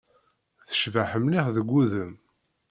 Tecbeḥ mliḥ deg wudem.